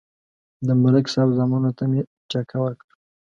د ملک صاحب زامنو ته مې ټېکه ورکړه